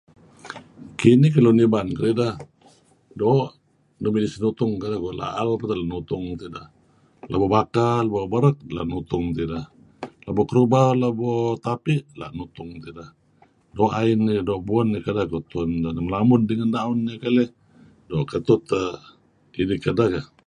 Kinih ken Lun Iban kedideh doo' nuk midih sinutung kedeh. Tauh peh nutung labo baka , labo berek tuen nutung tideh. Labo Kerubau, Labo Tapi' nutung tideh. Doo' ain dih doo' buen dih kedeh tuen melamud idih ngen daun dih keleh doo' ketuh teh kinih kedek keh.